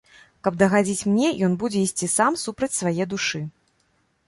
Каб дагадзіць мне, ён будзе ісці сам супраць свае душы.